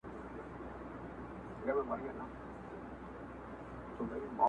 o موږه د هنر په لاس خندا په غېږ كي ايښې ده.